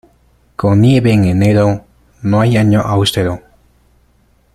Con nieve en enero, no hay año austero.